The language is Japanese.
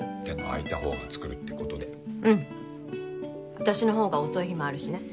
私の方が遅い日もあるしね。